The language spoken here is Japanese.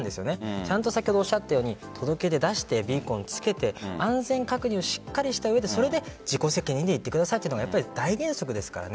ちゃんとおっしゃったように届け出を出してビーコンをつけて安全確認をしっかりした上で自己責任で行ってくださいというのが大原則ですからね。